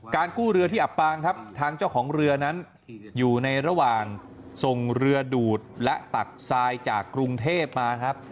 กู้เรือที่อับปางครับทางเจ้าของเรือนั้นอยู่ในระหว่างส่งเรือดูดและตักทรายจากกรุงเทพมาครับ